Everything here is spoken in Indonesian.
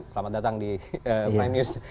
selamat datang di prime news